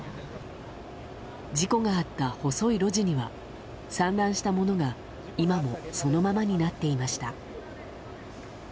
事故があった細い路地には散乱した物が今もそのままになっていました。